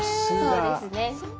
そうですね。